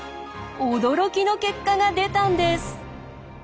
驚きの結果が出たんです！